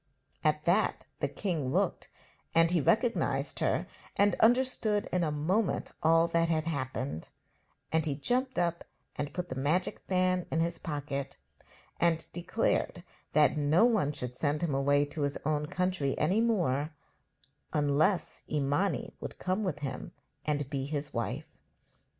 At that the king looked, and he recognised her, and understood in a moment all that had happened; and he jumped up and put the magic fan in his pocket, and declared that no one should send him away to his own country any more unless Imani would come with him and be his wife.